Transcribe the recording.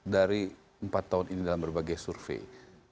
dari empat tahun ini dalam berbagai survei